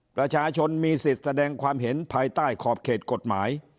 ประชาชนมีสิทธิ์แสดงความเห็นภายใต้ขอบเขตกฎหมาย